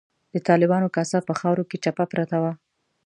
د طالبانو کاسه په خاورو کې چپه پرته وه.